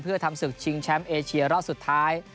เพื่อทำศึกชิงแชมป์เอเชียรอบสุดท้าย